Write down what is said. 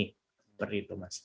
seperti itu mas